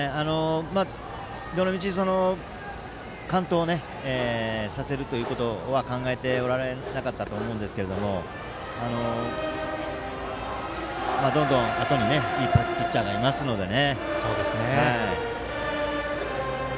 どのみち完投をさせるということは考えておられなかったと思うんですけど、どんどんあとにいいピッチャーがいますのでね。